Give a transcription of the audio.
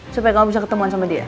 supaya kamu bisa ketemuan sama dia